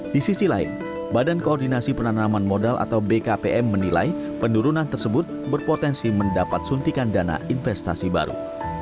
di sisi lain badan koordinasi penanaman modal atau bkpm menilai penurunan tersebut berpotensi mendapat suntikan dana investasi baru